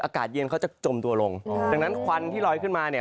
อากาศเย็นเขาจะจมตัวลงดังนั้นควันที่ลอยขึ้นมาเนี่ย